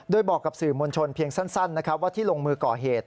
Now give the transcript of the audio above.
โดยบอกกับสื่อมวลชนเพียงสั้นว่าที่ลงมือก่อเหตุ